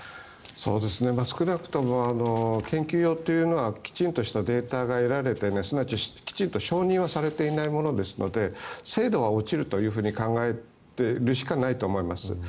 少なくとも研究用というのはきちんとしたデータが得られいないすなわちきちんと承認されていないものですので精度が落ちると考えるしかないと思います。